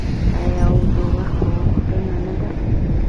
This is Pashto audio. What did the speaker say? آیا او د وخت غوښتنه نه ده؟